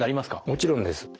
もちろんです。